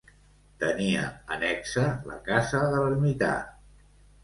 Tenia annexa la casa de l'ermità.